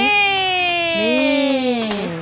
นี่